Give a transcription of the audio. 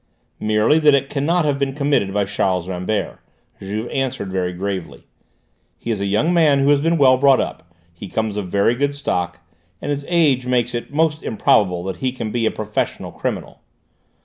"Merely that it cannot have been committed by Charles Rambert," Juve answered very gravely. "He is a young man who has been well brought up, he comes of very good stock, and his age makes it most improbable that he can be a professional criminal."